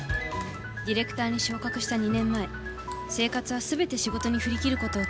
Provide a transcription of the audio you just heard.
ディレクターに昇格した２年前生活は全て仕事に振り切る事を決めた